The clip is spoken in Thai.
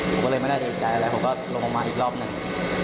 ผมก็เลยไม่ได้เอกใจอะไรผมก็ลงมาอีกรอบหนึ่ง